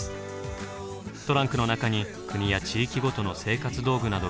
トランクの中に国や地域ごとの生活道具などが詰まっています。